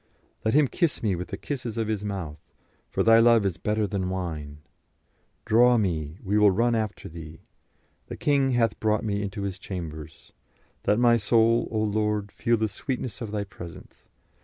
"Let Him kiss me with the kisses of His mouth; for Thy love is better than wine. Draw me, we will run after Thee. The king hath brought me into his chambers.... Let my soul, O Lord, feel the sweetness of Thy presence.